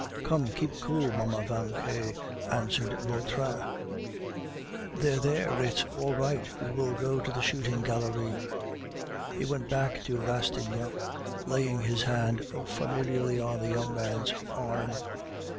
"Come, keep cool, Mamma Vauquer," answered Vautrin. "There, there; it's all right; we will go to the shooting gallery." He went back to Rastignac, laying his hand familiarly on the young man's arm.